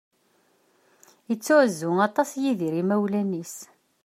Yettεuzzu aṭas Yidir imawlan-is.